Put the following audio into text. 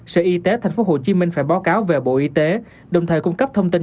sở y tế tp hcm phải báo cáo về bộ y tế đồng thời cung cấp thông tin